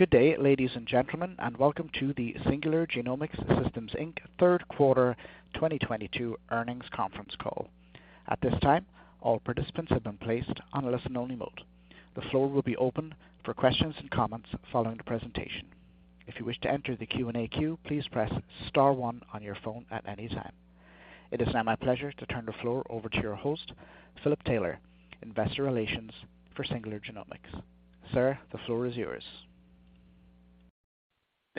Good day, ladies and gentlemen, and welcome to the Singular Genomics Systems, Inc third quarter 2022 earnings conference call. At this time, all participants have been placed on a listen-only mode. The floor will be open for questions and comments following the presentation. If you wish to enter the Q&A queue, please press star one on your phone at any time. It is now my pleasure to turn the floor over to your host, Philip Taylor, investor relations for Singular Genomics. Sir, the floor is yours.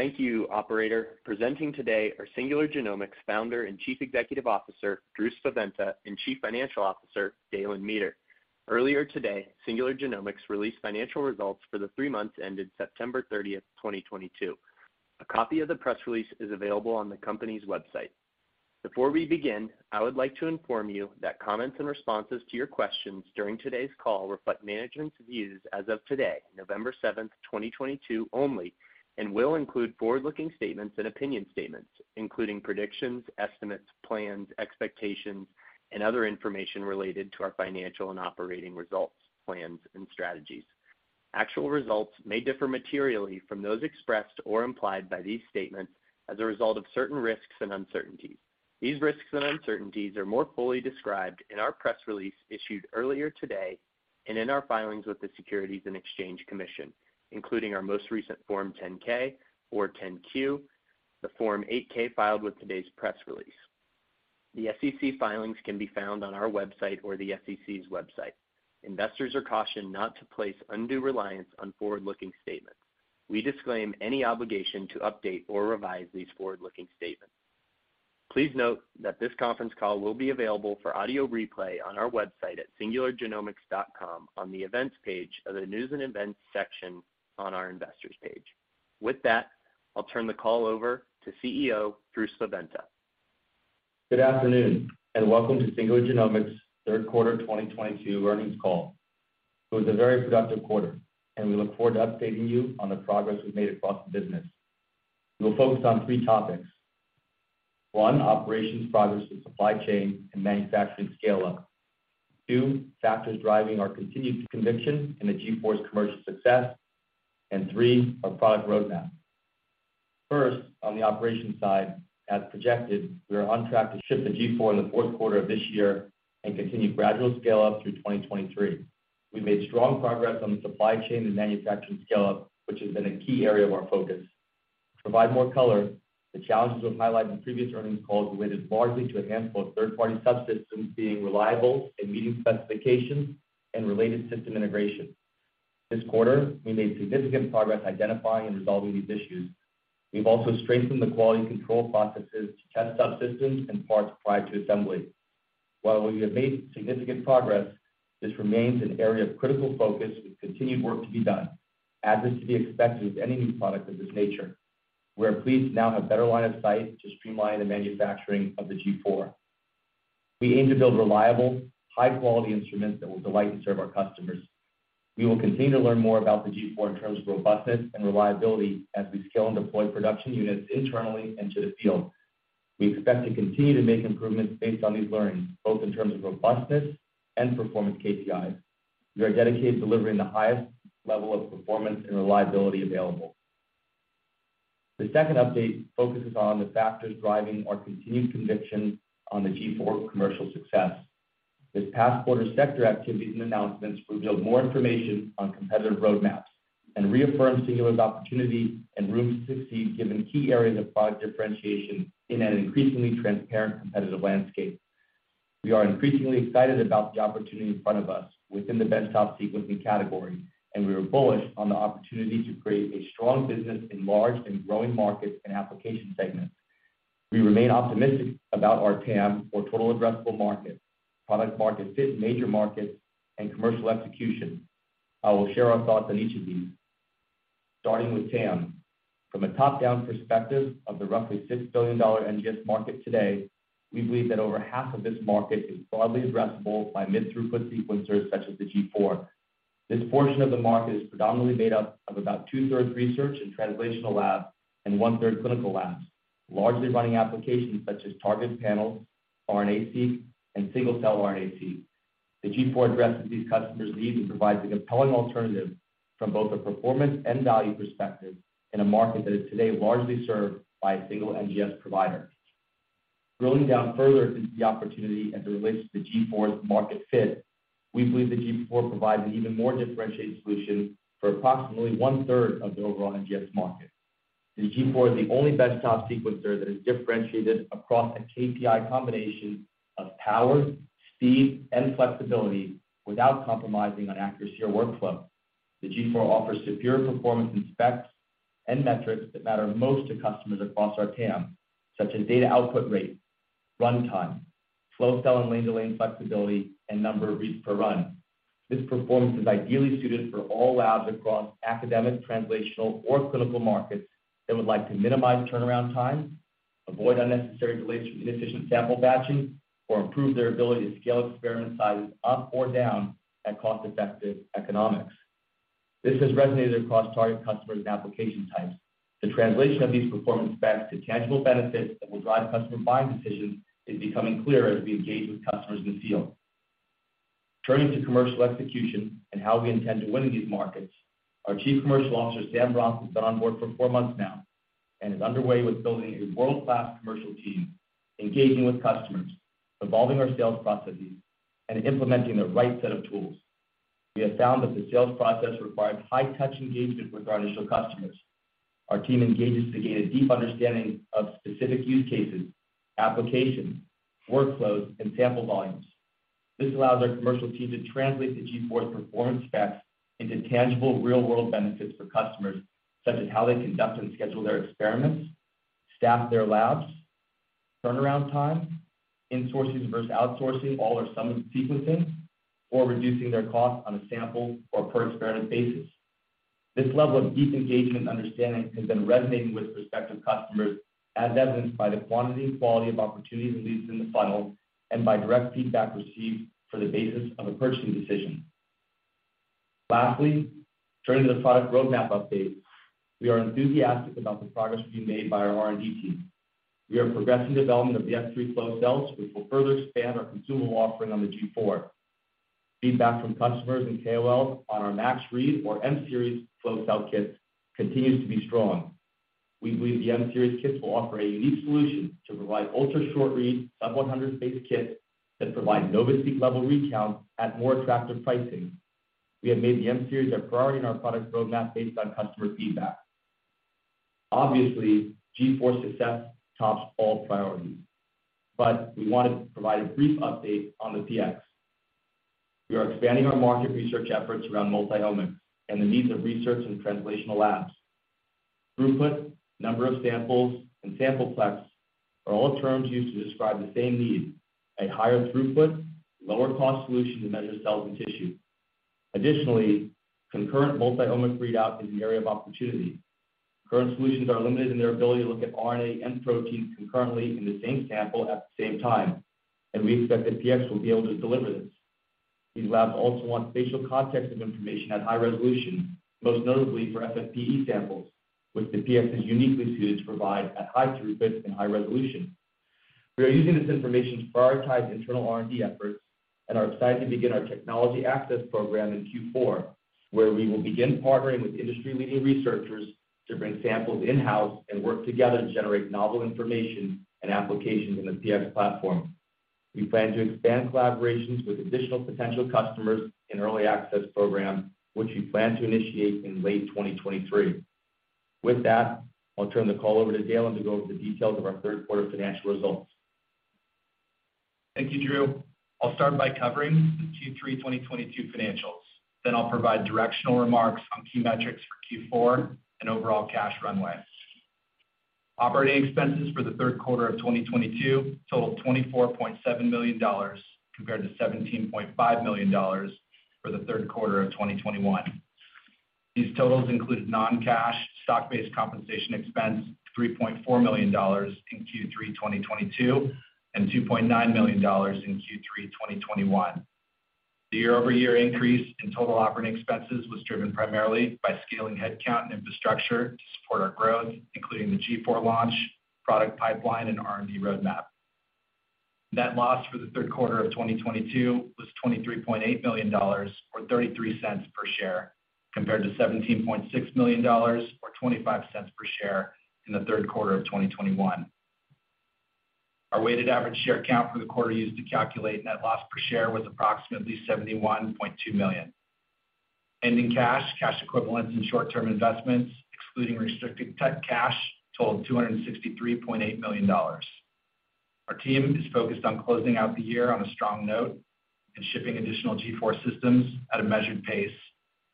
Thank you, operator. Presenting today are Singular Genomics Founder and Chief Executive Officer, Drew Spaventa, and Chief Financial Officer, Dalen Meeter. Earlier today, Singular Genomics released financial results for the three months ended September 30, 2022. A copy of the press release is available on the company's website. Before we begin, I would like to inform you that comments and responses to your questions during today's call reflect management's views as of today, November 7, 2022 only, and will include forward-looking statements and opinion statements, including predictions, estimates, plans, expectations, and other information related to our financial and operating results, plans and strategies. Actual results may differ materially from those expressed or implied by these statements as a result of certain risks and uncertainties. These risks and uncertainties are more fully described in our press release issued earlier today and in our filings with the Securities and Exchange Commission, including our most recent Form 10-K or 10-Q, the Form 8-K filed with today's press release. The SEC filings can be found on our website or the SEC's website. Investors are cautioned not to place undue reliance on forward-looking statements. We disclaim any obligation to update or revise these forward-looking statements. Please note that this conference call will be available for audio replay on our website at singulargenomics.com on the Events page of the News and Events section on our Investors page. With that, I'll turn the call over to CEO Drew Spaventa. Good afternoon and welcome to Singular Genomics third quarter 2022 earnings call. It was a very productive quarter, and we look forward to updating you on the progress we've made across the business. We'll focus on three topics. One, operations progress with supply chain and manufacturing scale up. Two, factors driving our continued conviction in the G4's commercial success. And three, our product roadmap. First, on the operations side, as projected, we are on track to ship the G4 in the fourth quarter of this year and continue gradual scale up through 2023. We made strong progress on the supply chain and manufacturing scale up, which has been a key area of our focus. To provide more color, the challenges we've highlighted in previous earnings calls related largely to a handful of third-party subsystems being reliable and meeting specifications and related system integration. This quarter, we made significant progress identifying and resolving these issues. We've also strengthened the quality control processes to test subsystems and parts prior to assembly. While we have made significant progress, this remains an area of critical focus with continued work to be done, as is to be expected with any new product of this nature. We are pleased to now have better line of sight to streamline the manufacturing of the G4. We aim to build reliable, high-quality instruments that will delight and serve our customers. We will continue to learn more about the G4 in terms of robustness and reliability as we scale and deploy production units internally into the field. We expect to continue to make improvements based on these learnings, both in terms of robustness and performance KPIs. We are dedicated to delivering the highest level of performance and reliability available. The second update focuses on the factors driving our continued conviction on the G4 commercial success. This past quarter, sector activities and announcements revealed more information on competitive roadmaps and reaffirmed Singular's opportunity and room to succeed given key areas of product differentiation in an increasingly transparent competitive landscape. We are increasingly excited about the opportunity in front of us within the benchtop sequencing category, and we are bullish on the opportunity to create a strong business in large and growing markets and application segments. We remain optimistic about our TAM or total addressable market, product market fit in major markets, and commercial execution. I will share our thoughts on each of these, starting with TAM. From a top-down perspective of the roughly $6 billion NGS market today, we believe that over half of this market is broadly addressable by mid throughput sequencers such as the G4. This portion of the market is predominantly made up of about 2/3 research and translational labs and 1/3 clinical labs, largely running applications such as targeted panels, RNA-Seq, and single-cell RNA-Seq. The G4 addresses these customers' needs and provides a compelling alternative from both a performance and value perspective in a market that is today largely served by a single NGS provider. Drilling down further into the opportunity as it relates to the G4's market fit, we believe the G4 provides an even more differentiated solution for approximately 1/3 of the overall NGS market. The G4 is the only benchtop sequencer that is differentiated across a KPI combination of power, speed, and flexibility without compromising on accuracy or workflow. The G4 offers superior performance and specs and metrics that matter most to customers across our TAM, such as data output rate, runtime, flow cell and lane to lane flexibility, and number of reads per run. This performance is ideally suited for all labs across academic, translational, or clinical markets that would like to minimize turnaround time, avoid unnecessary delays from inefficient sample batching, or improve their ability to scale experiment sizes up or down at cost-effective economics. This has resonated across target customers and application types. The translation of these performance specs to tangible benefits that will drive customer buying decisions is becoming clearer as we engage with customers in the field. Turning to commercial execution and how we intend to win in these markets, our Chief Commercial Officer, Sam Roth, has been on board for four months now and is underway with building a world-class commercial team, engaging with customers, evolving our sales processes, and implementing the right set of tools. We have found that the sales process requires high-touch engagement with our initial customers. Our team engages to gain a deep understanding of specific use cases, applications, workflows, and sample volumes. This allows our commercial team to translate the G4 performance specs into tangible, real-world benefits for customers, such as how they conduct and schedule their experiments, staff their labs, turnaround time, insourcing versus outsourcing all or some sequencing, or reducing their costs on a sample or per experiment basis. This level of deep engagement and understanding has been resonating with prospective customers, as evidenced by the quantity and quality of opportunities and leads in the funnel and by direct feedback received for the basis of a purchasing decision. Lastly, turning to the product roadmap update. We are enthusiastic about the progress being made by our R&D team. We are progressing development of the F3 flow cell, which will further expand our consumable offering on the G4. Feedback from customers and KOL on our Max Read flow cell kits continues to be strong. We believe the Max Read kits will offer a unique solution to provide ultra-short read sub-100 base kit that provide NovaSeq-level read counts at more attractive pricing. We have made the Max Read a priority in our product roadmap based on customer feedback. Obviously, G4 success tops all priorities, but we wanted to provide a brief update on the PX. We are expanding our market research efforts around multi-omic and the needs of research and translational labs. Throughput, number of samples, and sample plex are all terms used to describe the same need, a higher throughput, lower cost solution to measure cells and tissue. Additionally, concurrent multi-omic readout is an area of opportunity. Current solutions are limited in their ability to look at RNA and protein concurrently in the same sample at the same time, and we expect that PX will be able to deliver this. These labs also want spatial context of information at high resolution, most notably for FFPE samples, which the PX is uniquely suited to provide at high throughput and high resolution. We are using this information to prioritize internal R&D efforts and are excited to begin our technology access program in Q4, where we will begin partnering with industry-leading researchers to bring samples in-house and work together to generate novel information and applications in the PX platform. We plan to expand collaborations with additional potential customers in early access program, which we plan to initiate in late 2023. With that, I'll turn the call over to Dalen Meeter to go over the details of our third quarter financial results. Thank you, Drew. I'll start by covering the Q3 2022 financials. I'll provide directional remarks on key metrics for Q4 and overall cash runway. Operating expenses for the third quarter of 2022 totaled $24.7 million, compared to $17.5 million for the third quarter of 2021. These totals include non-cash stock-based compensation expense, $3.4 million in Q3 2022 and $2.9 million in Q3 2021. The year-over-year increase in total operating expenses was driven primarily by scaling headcount and infrastructure to support our growth, including the G4 launch, product pipeline, and R&D roadmap. Net loss for the third quarter of 2022 was $23.8 million, or $0.33 per share, compared to $17.6 million, or $0.25 per share in the third quarter of 2021. Our weighted average share count for the quarter used to calculate net loss per share was approximately 71.2 million. Ending cash equivalents and short-term investments, excluding restricted cash, totaled $263.8 million. Our team is focused on closing out the year on a strong note and shipping additional G4 systems at a measured pace,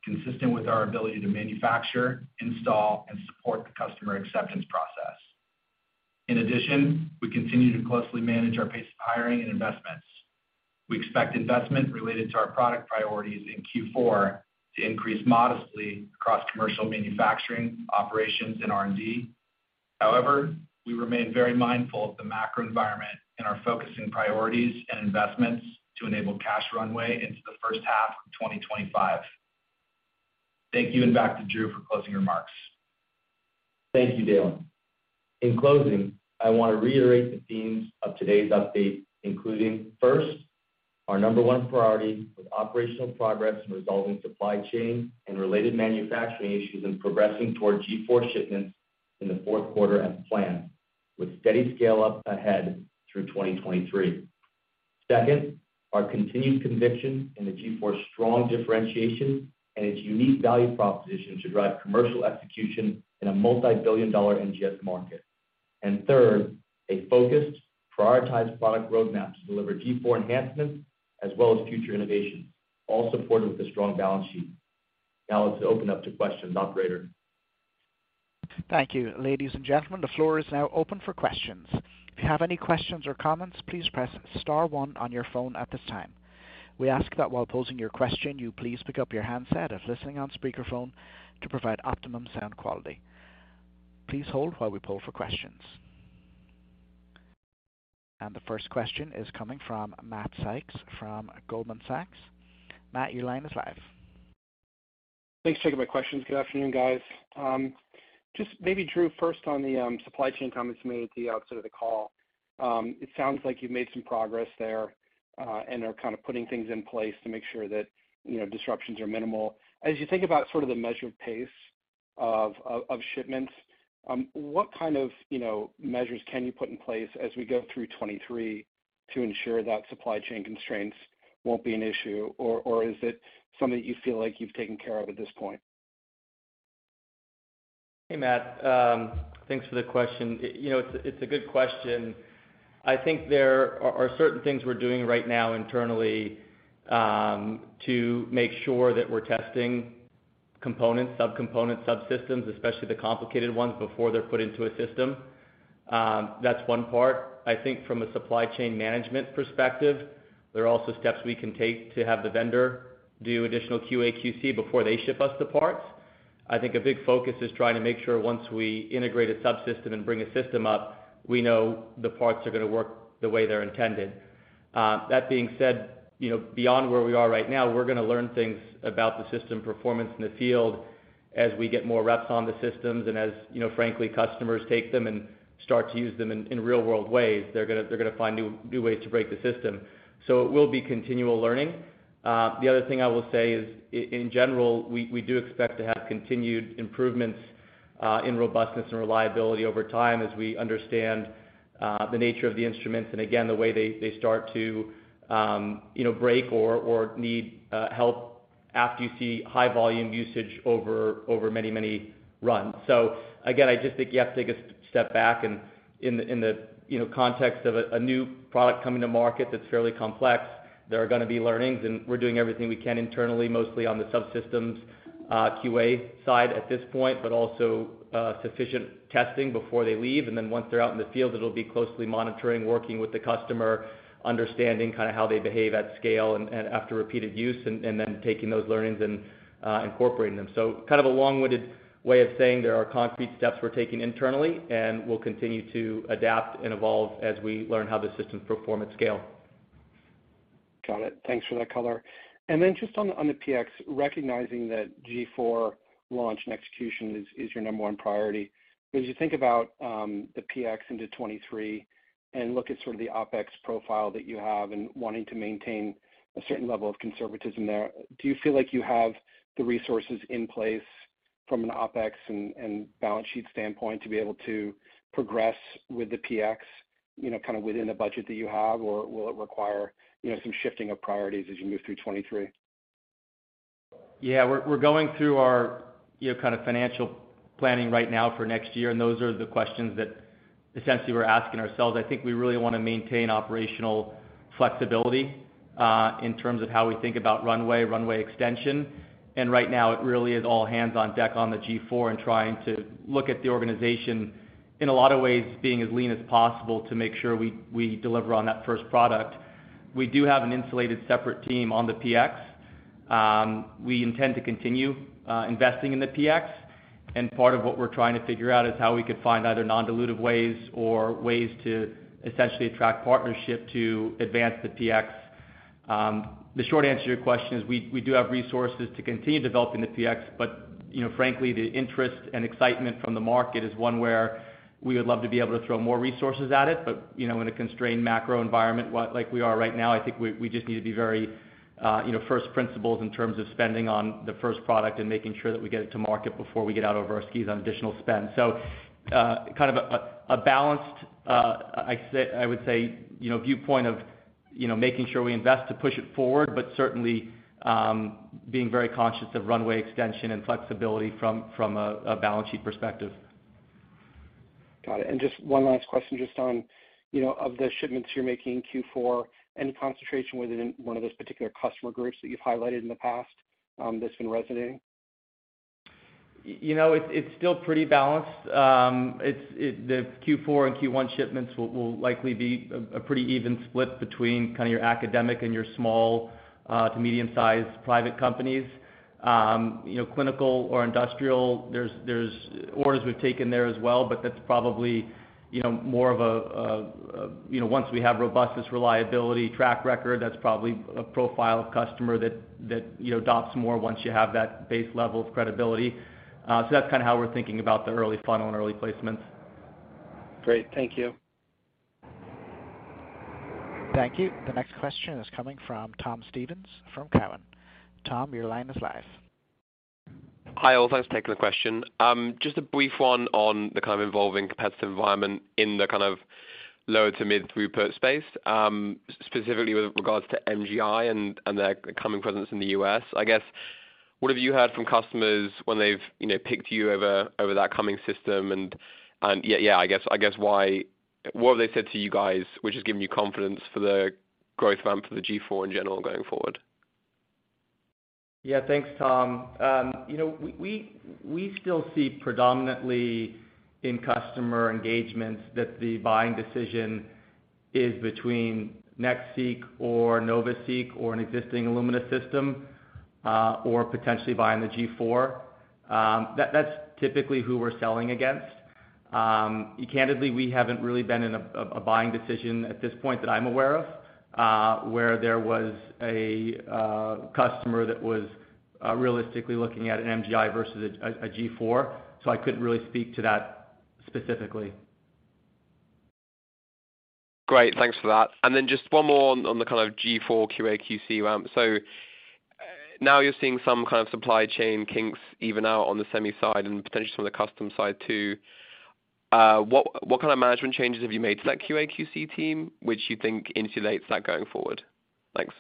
consistent with our ability to manufacture, install, and support the customer acceptance process. In addition, we continue to closely manage our pace of hiring and investments. We expect investment related to our product priorities in Q4 to increase modestly across commercial manufacturing, operations, and R&D. However, we remain very mindful of the macro environment and are focusing priorities and investments to enable cash runway into the first half of 2025. Thank you, and back to Drew for closing remarks. Thank you, Dalen. In closing, I want to reiterate the themes of today's update, including, first, our number one priority with operational progress in resolving supply chain and related manufacturing issues and progressing toward G4 shipments in the fourth quarter as planned, with steady scale up ahead through 2023. Second, our continued conviction in the G4's strong differentiation and its unique value proposition to drive commercial execution in a multi-billion dollar NGS market. Third, a focused, prioritized product roadmap to deliver G4 enhancements as well as future innovations, all supported with a strong balance sheet. Now let's open up to questions, operator. Thank you. Ladies and gentlemen, the floor is now open for questions. If you have any questions or comments, please press star one on your phone at this time. We ask that while posing your question, you please pick up your handset if listening on speakerphone to provide optimum sound quality. Please hold while we poll for questions. The first question is coming from Matt Sykes from Goldman Sachs. Matt, your line is live. Thanks for taking my questions. Good afternoon, guys. Just maybe Drew first on the supply chain comments made at the outset of the call. It sounds like you've made some progress there and are kind of putting things in place to make sure that, you know, disruptions are minimal. As you think about sort of the measured pace of shipments, what kind of, you know, measures can you put in place as we go through 2023 to ensure that supply chain constraints won't be an issue? Or is it something that you feel like you've taken care of at this point? Hey, Matt. Thanks for the question. You know, it's a good question. I think there are certain things we're doing right now internally to make sure that we're testing components, subcomponents, subsystems, especially the complicated ones before they're put into a system. That's one part. I think from a supply chain management perspective, there are also steps we can take to have the vendor do additional QA/QC before they ship us the parts. I think a big focus is trying to make sure once we integrate a subsystem and bring a system up, we know the parts are gonna work the way they're intended. That being said, you know, beyond where we are right now, we're gonna learn things about the system performance in the field as we get more reps on the systems and as, you know, frankly, customers take them and start to use them in real world ways. They're gonna find new ways to break the system. So it will be continual learning. The other thing I will say is in general, we do expect to have continued improvements in robustness and reliability over time as we understand the nature of the instruments and again, the way they start to, you know, break or need help after you see high volume usage over many runs. Again, I just think you have to take a step back and in the you know context of a new product coming to market that's fairly complex, there are gonna be learnings, and we're doing everything we can internally, mostly on the subsystems QA side at this point, but also sufficient testing before they leave. And then once they're out in the field, it'll be closely monitoring, working with the customer, understanding kind of how they behave at scale and after repeated use, and then taking those learnings and incorporating them. Kind of a long-winded way of saying there are concrete steps we're taking internally, and we'll continue to adapt and evolve as we learn how the systems perform at scale. Got it. Thanks for that color. Just on the PX, recognizing that G4 launch and execution is your number one priority, as you think about the PX into 2023 and look at sort of the OpEx profile that you have and wanting to maintain a certain level of conservatism there, do you feel like you have the resources in place from an OpEx and balance sheet standpoint to be able to progress with the PX, you know, kind of within the budget that you have? Or will it require, you know, some shifting of priorities as you move through 2023? Yeah. We're going through our, you know, kind of financial planning right now for next year, and those are the questions that essentially we're asking ourselves. I think we really wanna maintain operational flexibility in terms of how we think about runway extension. Right now it really is all hands on deck on the G4 and trying to look at the organization in a lot of ways, being as lean as possible to make sure we deliver on that first product. We do have an insulated separate team on the PX. We intend to continue investing in the PX, and part of what we're trying to figure out is how we could find either non-dilutive ways or ways to essentially attract partnership to advance the PX. The short answer to your question is we do have resources to continue developing the PX, but you know, frankly, the interest and excitement from the market is one where we would love to be able to throw more resources at it, but, you know, in a constrained macro environment like we are right now, I think we just need to be very, you know, first principles in terms of spending on the first product and making sure that we get it to market before we get out over our skis on additional spend. Kind of a balanced, I would say, you know, viewpoint of, you know, making sure we invest to push it forward, but certainly, being very conscious of runway extension and flexibility from a balance sheet perspective. Got it. Just one last question just on, you know, of the shipments you're making in Q4, any concentration within one of those particular customer groups that you'vehighlighted in the past, that's been resonating? You know, it's still pretty balanced. The Q4 and Q1 shipments will likely be a pretty even split between kinda your academic and your small to medium-sized private companies. You know, clinical or industrial, there's orders we've taken there as well, but that's probably you know, more of a you know, once we have robustness, reliability, track record, that's probably a profile of customer that you know, adopts more once you have that base level of credibility. That's kinda how we're thinking about the early funnel and early placements. Great. Thank you. Thank you. The next question is coming from Tom Stevens from Cowen. Tom, your line is live. Hi, all. Thanks for taking the question. Just a brief one on the kind of evolving competitive environment in the kind of lower to mid throughput space, specifically with regards to MGI and their coming presence in the U.S. I guess, what have you heard from customers when they've picked you over that coming system? I guess what have they said to you guys, which has given you confidence for the growth plan for the G4 in general going forward? Yeah. Thanks, Tom. You know, we still see predominantly in customer engagements that the buying decision is between NextSeq or NovaSeq or an existing Illumina system, or potentially buying the G4. That's typically who we're selling against. Candidly, we haven't really been in a buying decision at this point that I'm aware of, where there was a customer that was realistically looking at an MGI versus a G4, so I couldn't really speak to that specifically. Great. Thanks for that. Then just one more on the kind of G4 QA/QC ramp. Now you're seeing some kind of supply chain kinks even out on the semi side and potentially from the custom side too. What kind of management changes have you made to that QA/QC team, which you think insulates that going forward? Thanks.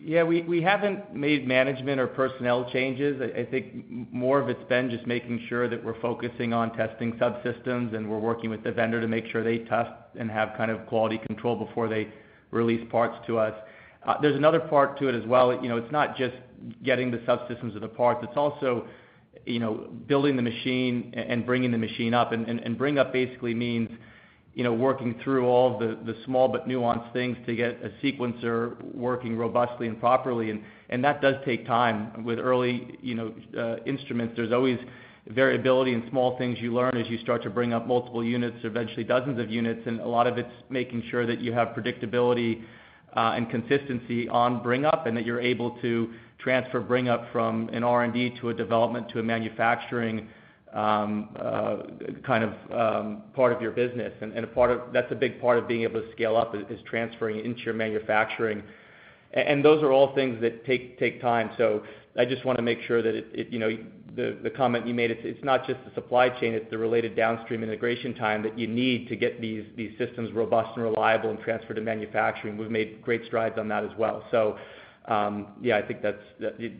Yeah, we haven't made management or personnel changes. I think more of it's been just making sure that we're focusing on testing subsystems and we're working with the vendor to make sure they test and have kind of quality control before they release parts to us. There's another part to it as well. You know, it's not just getting the subsystems or the parts. It's also, you know, building the machine and bringing the machine up, and bring up basically means, you know, working through all the small but nuanced things to get a sequencer working robustly and properly, and that does take time. With early, you know, instruments, there's always variability and small things you learn as you start to bring up multiple units or eventually dozens of units, and a lot of it's making sure that you have predictability, and consistency on bring up and that you're able to transfer bring up from an R&D to a development to a manufacturing, kind of part of your business. That's a big part of being able to scale up is transferring into your manufacturing. Those are all things that take time. I just wanna make sure that it, you know, the comment you made, it's not just the supply chain, it's the related downstream integration time that you need to get these systems robust and reliable and transfer to manufacturing. We've made great strides on that as well. I think that's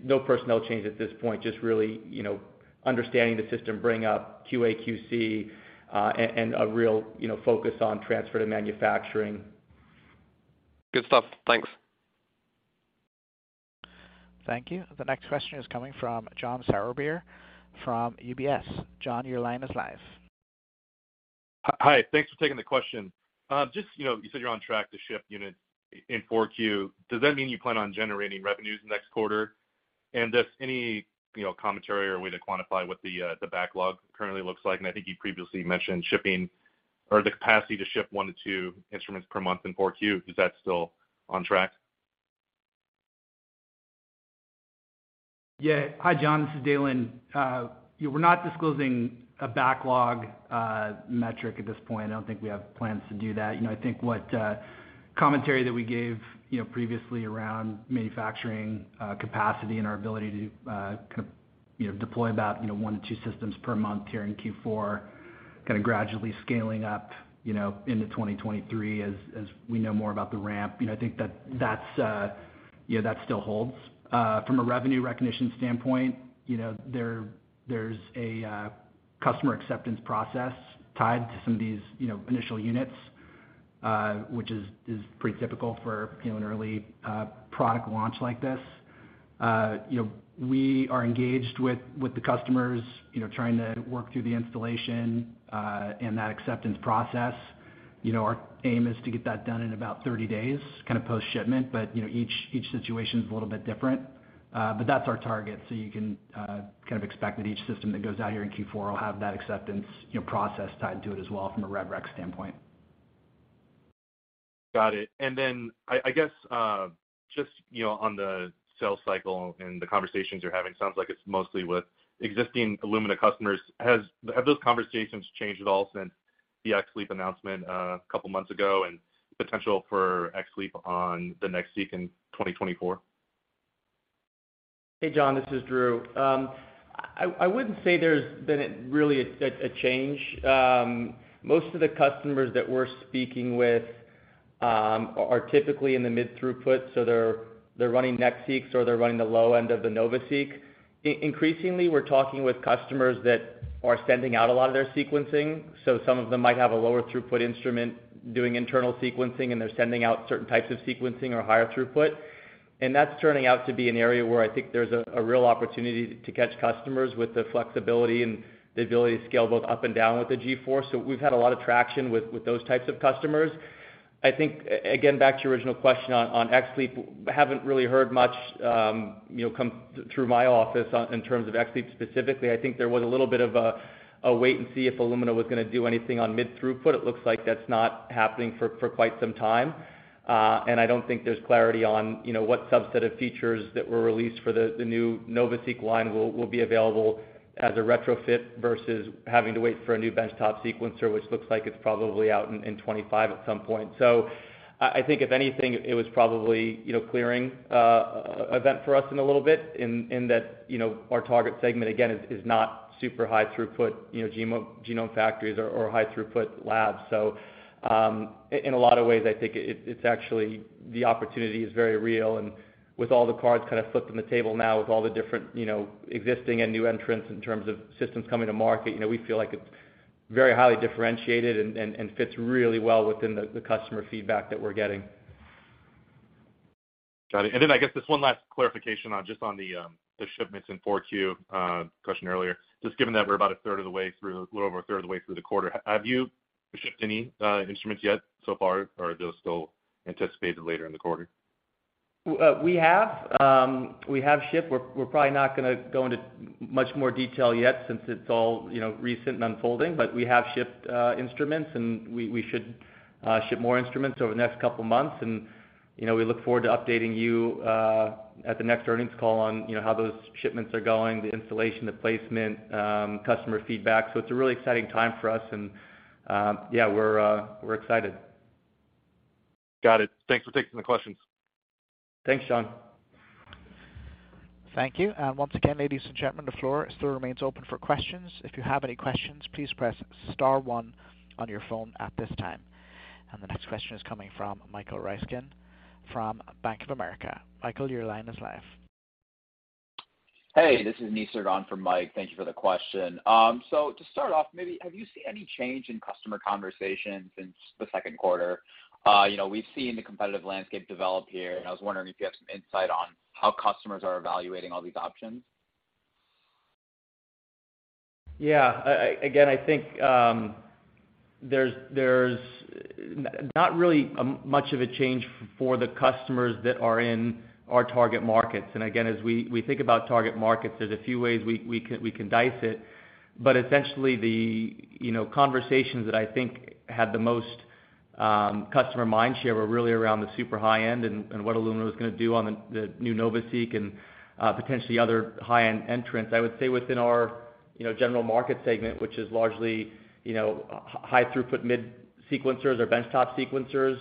no personnel change at this point, just really, you know, understanding the system bring up QA/QC, and a real, you know, focus on transfer to manufacturing. Good stuff. Thanks. Thank you. The next question is coming from John Sourbeer from UBS. John, your line is live. Hi. Thanks for taking the question. Just, you know, you said you're on track to ship units in 4Q. Does that mean you plan on generating revenues next quarter? Just any, you know, commentary or way to quantify what the backlog currently looks like, and I think you previously mentioned shipping or the capacity to ship one-two instruments per month in 4Q. Is that still on track? Yeah. Hi, John, this is Dalen. We're not disclosing a backlog metric at this point. I don't think we have plans to do that. You know, I think what commentary that we gave, you know, previously around manufacturing capacity and our ability to, you know, deploy about one-two systems per month here in Q4, kind of gradually scaling up, you know, into 2023 as we know more about the ramp. You know, I think that that's, yeah, that still holds. From a revenue recognition standpoint, you know, there's a customer acceptance process tied to some of these, you know, initial units, which is pretty typical for, you know, an early product launch like this. You know, we are engaged with the customers, you know, trying to work through the installation and that acceptance process. You know, our aim is to get that done in about 30 days, kind of post-shipment, but, you know, each situation is a little bit different. That's our target. You can kind of expect that each system that goes out here in Q4 will have that acceptance, you know, process tied to it as well from a rev rec standpoint. Got it. I guess, just, you know, on the sales cycle and the conversations you're having, sounds like it's mostly with existing Illumina customers. Have those conversations changed at all since the XLEAP announcement a couple months ago and potential for XLEAP on the NextSeq in 2024? Hey, John, this is Drew. I wouldn't say there's been a really a change. Most of the customers that we're speaking with are typically in the mid throughput, so they're running NextSeq or they're running the low end of the NovaSeq. Increasingly, we're talking with customers that are sending out a lot of their sequencing. Some of them might have a lower throughput instrument doing internal sequencing, and they're sending out certain types of sequencing or higher throughput. That's turning out to be an area where I think there's a real opportunity to catch customers with the flexibility and the ability to scale both up and down with the G4. We've had a lot of traction with those types of customers. I think, again, back to your original question on XLEAP, haven't really heard much, you know, come through my office on, in terms of XLEAP specifically. I think there was a little bit of a wait and see if Illumina was gonna do anything on mid throughput. It looks like that's not happening for quite some time. I don't think there's clarity on, you know, what subset of features that were released for the new NovaSeq line will be available as a retrofit versus having to wait for a new bench top sequencer, which looks like it's probably out in 2025 at some point. I think if anything, it was probably, you know, clearing event for us in a little bit in that, you know, our target segment, again, is not super high throughput, you know, genome factories or high throughput labs. In a lot of ways, I think it's actually the opportunity is very real. With all the cards kind of flipped on the table now with all the different, you know, existing and new entrants in terms of systems coming to market, you know, we feel like it's very highly differentiated and fits really well within the customer feedback that we're getting. Got it. I guess just one last clarification on the shipments in 4Q question earlier. Just given that we're about a third of the way through, a little over a third of the way through the quarter, have you shipped any instruments yet so far, or are those still anticipated later in the quarter? We have shipped. We're probably not gonna go into much more detail yet since it's all, you know, recent and unfolding. We have shipped instruments, and we should ship more instruments over the next couple of months. You know, we look forward to updating you at the next earnings call on how those shipments are going, the installation, the placement, customer feedback. It's a really exciting time for us and, yeah, we're excited. Got it. Thanks for taking the questions. Thanks, John. Thank you. Once again, ladies and gentlemen, the floor still remains open for questions. If you have any questions, please press star one on your phone at this time. The next question is coming from Michael Ryskin from Bank of America. Michael, your line is live. Hey, this is [Nisarg] on for Mike. Thank you for the question. To start off, maybe have you seen any change in customer conversations since the second quarter? You know, we've seen the competitive landscape develop here, and I was wondering if you have some insight on how customers are evaluating all these options. Yeah. Again, I think there's not really much of a change for the customers that are in our target markets. Again, as we think about target markets, there's a few ways we can dice it. Essentially the, you know, conversations that I think had the most customer mindshare were really around the super high end and what Illumina was gonna do on the new NovaSeq and potentially other high-end entrants. I would say within our, you know, general market segment, which is largely, you know, high throughput mid sequencers or benchtop sequencers,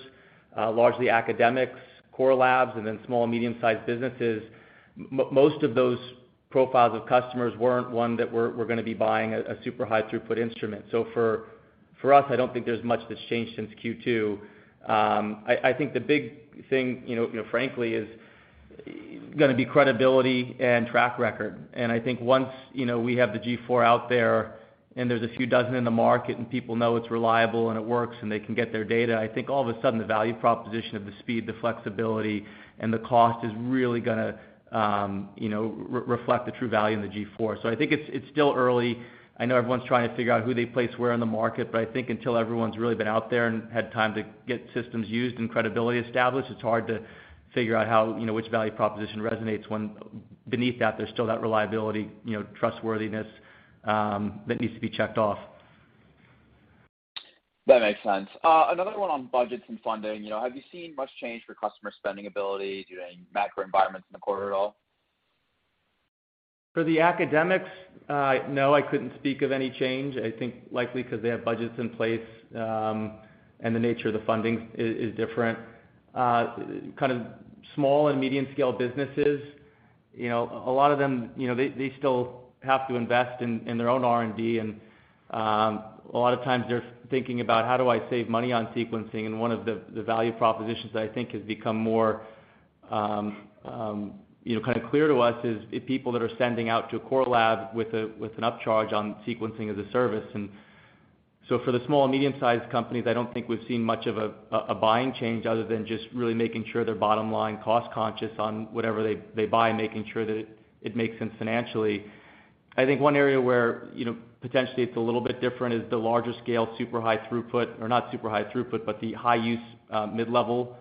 largely academics, core labs, and then small, medium-sized businesses, most of those profiles of customers weren't one that were gonna be buying a super high throughput instrument. For us, I don't think there's much that's changed since Q2. I think the big thing, you know, frankly, is gonna be credibility and track record. I think once, you know, we have the G4 out there and there's a few dozen in the market and people know it's reliable and it works and they can get their data, I think all of a sudden the value proposition of the speed, the flexibility, and the cost is really gonna, you know, reflect the true value in the G4. I think it's still early. I know everyone's trying to figure out who they place where in the market, but I think until everyone's really been out there and had time to get systems used and credibility established, it's hard to figure out how. You know, which value proposition resonates when beneath that there's still that reliability, you know, trustworthiness, that needs to be checked off. That makes sense. Another one on budgets and funding. You know, have you seen much change for customer spending ability due to any macro environments in the quarter at all? For the academics, no, I couldn't speak of any change. I think likely 'cause they have budgets in place, and the nature of the funding is different. Kind of small and medium scale businesses, you know, a lot of them, you know, they still have to invest in their own R&D. A lot of times they're thinking about how do I save money on sequencing, and one of the value propositions I think has become more, you know, kind of clear to us is if people that are sending out to a core lab with an upcharge on sequencing as a service. For the small and medium-sized companies, I don't think we've seen much of a buying change other than just really making sure they're bottom line cost conscious on whatever they buy and making sure that it makes sense financially. I think one area where, you know, potentially it's a little bit different is the larger scale, super high throughput or not super high throughput, but the high use, mid-level,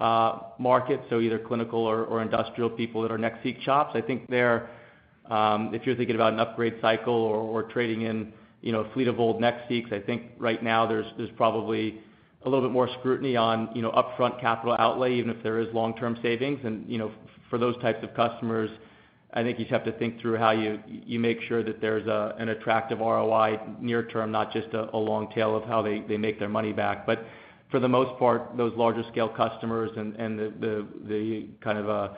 market, so either clinical or industrial people that are NextSeq shops. I think they're if you're thinking about an upgrade cycle or trading in, you know, a fleet of old NextSeq, I think right now there's probably a little bit more scrutiny on, you know, upfront capital outlay, even if there is long-term savings. You know, for those types of customers, I think you just have to think through how you make sure that there's an attractive ROI near term, not just a long tail of how they make their money back. For the most part, those larger scale customers and the kind of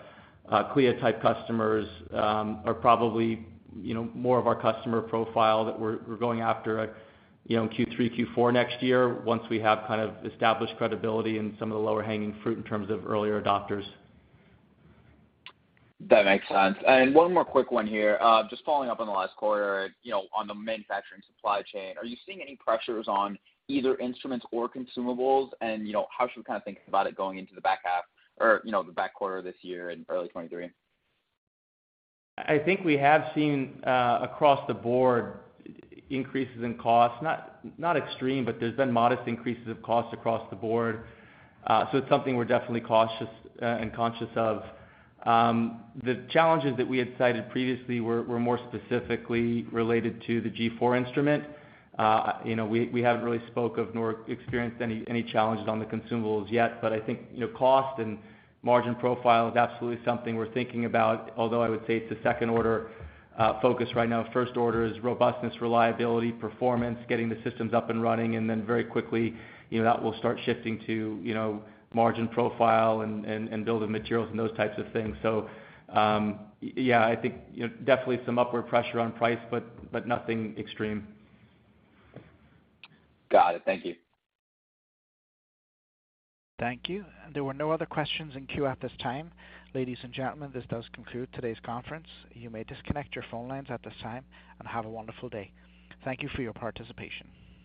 CLIA type customers are probably you know more of our customer profile that we're going after, you know, in Q3, Q4 next year once we have kind of established credibility in some of the lower hanging fruit in terms of earlier adopters. That makes sense. One more quick one here. Just following up on the last quarter, you know, on the manufacturing supply chain, are you seeing any pressures on either instruments or consumables? You know, how should we kind of think about it going into the back half or, you know, the back quarter of this year and early 2023? I think we have seen across the board increases in costs, not extreme, but there's been modest increases of costs across the board. So it's something we're definitely cautious and conscious of. The challenges that we had cited previously were more specifically related to the G4 instrument. You know, we haven't really spoke of nor experienced any challenges on the consumables yet. I think, you know, cost and margin profile is absolutely something we're thinking about, although I would say it's a second order focus right now. First order is robustness, reliability, performance, getting the systems up and running, and then very quickly, you know, that will start shifting to, you know, margin profile and building materials and those types of things. Yeah, I think, you know, definitely some upward pressure on price, but nothing extreme. Got it. Thank you. Thank you. There were no other questions in queue at this time. Ladies and gentlemen, this does conclude today's conference. You may disconnect your phone lines at this time and have a wonderful day. Thank you for your participation.